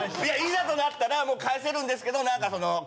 いやいざとなったらもう返せるんですけど何かその。